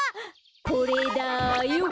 これだよ！